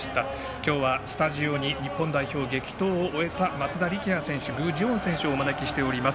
今日はスタジオに、日本代表激闘を終えた松田力也選手、具智元選手をお招きしています。